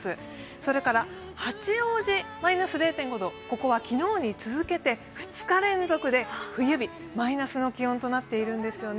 それから、八王子、マイナス０．５度昨日から２日続けて２日連続で冬日、マイナスの気温となっているんですよね。